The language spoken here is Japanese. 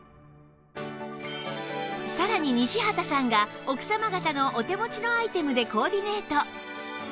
さらに西畑さんが奥様方のお手持ちのアイテムでコーディネート